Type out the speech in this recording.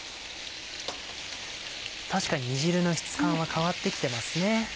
確かに煮汁の質感は変わって来てますね。